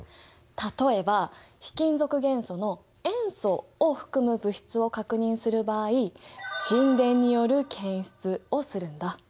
例えば非金属元素の塩素を含む物質を確認する場合沈殿による検出をするんだ。